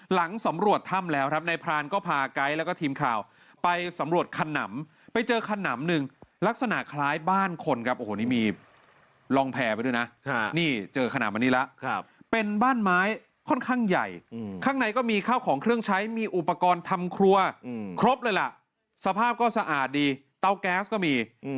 หลังสำรวจถ้ำแล้วครับนายพรานก็พาไกด์แล้วก็ทีมข่าวไปสำรวจขนำไปเจอขนำหนึ่งลักษณะคล้ายบ้านคนครับโอ้โหนี่มีลองแพร่ไปด้วยนะนี่เจอขนำอันนี้แล้วเป็นบ้านไม้ค่อนข้างใหญ่ข้างในก็มีข้าวของเครื่องใช้มีอุปกรณ์ทำครัวครบเลยล่ะสภาพก็สะอาดดีเตาแก๊สก็มี